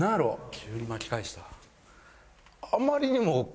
急に巻き返した。